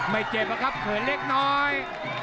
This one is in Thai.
ไม่เจ็บอะครับเขินเล็กน้อย